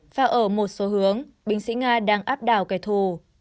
và ở một số hướng binh sĩ nga đang áp đảo kẻ thù